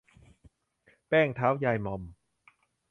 แป้งเท้ายายม่อม